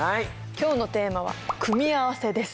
今日のテーマは「組み合わせ」です。